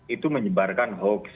itu menyebarkan hoax